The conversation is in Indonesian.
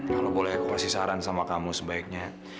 kalau boleh aku kasih saran sama kamu sebaiknya